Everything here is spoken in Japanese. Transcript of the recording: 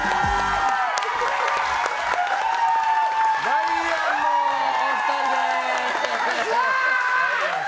ダイアンのお二人です。